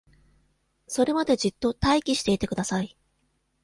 それまでじっと待機していてください